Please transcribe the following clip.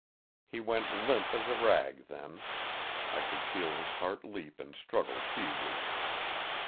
He went limp as a rag then. I could feel his heart leap and struggle feebly.